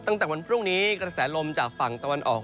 ตั้งแต่วันพรุ่งนี้กระแสลมจากฝั่งตะวันออก